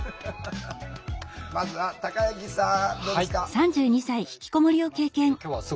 まずはたかゆきさんどうですか？